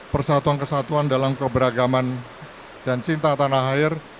persatuan kesatuan dalam keberagaman dan cinta tanah air